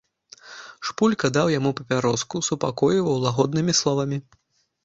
Шпулька даў яму папяроску, супакойваў лагоднымі словамі.